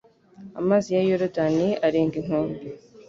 amazi ya yorodani arenga inkombe